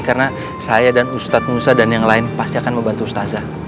karena saya dan ustaz musa dan yang lain pasti akan membantu ustazah